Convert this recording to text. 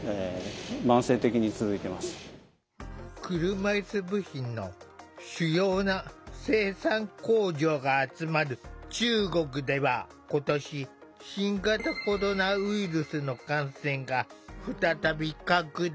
車いす部品の主要な生産工場が集まる中国では今年、新型コロナウイルスの感染が、再び拡大。